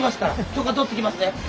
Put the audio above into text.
許可取ってきます。